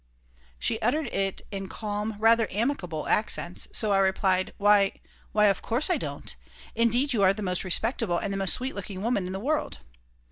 She uttered it in calm, rather amicable accents. So I replied: "Why, why, of course I don't! Indeed you are the most respectable and the most sweet looking woman in the world!"